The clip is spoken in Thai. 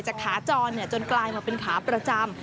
ขาจรจนกลายมาเป็นขาประจำ